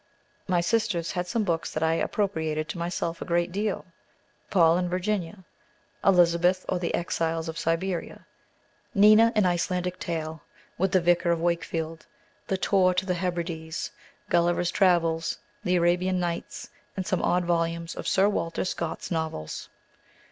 My sisters had some books that I appropriated to myself a great deal: "Paul and Virginia;" "Elizabeth, or the Exiles of Siberia;" "Nina: an Icelandic Tale;" with the "Vicar of Wakefield;" the "Tour to the Hebrides;" "Gulliver's Travels;" the "Arabian Nights;" and some odd volumes of Sir Walter Scott's novels.